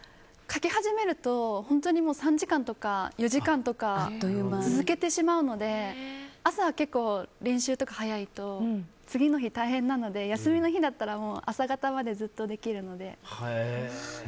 描き始めると３時間とか４時間とか続けてしまうので朝、結構、練習とかが早いと次の日大変なので休みの日だったらもう朝方までずっとできるので。